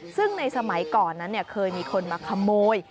ซึ่งในสมัยก่อนนั้นเคยมีคนมาขโมย